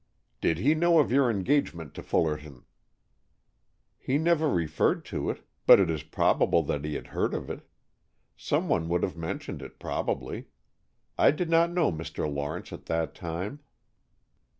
"Did he know of your engagement to Fullerton?" "He never referred to it, but it is probable that he had heard of it. Some one would have mentioned it, probably. I did not know Mr. Lawrence at that time."